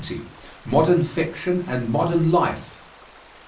MODERN FICTION AND MODERN LIFE.